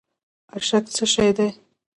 اشک څه شی دی؟